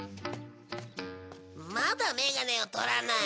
まだめがねを取らない。